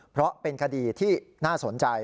เพราะเป็นคดีที่น่าสนใจ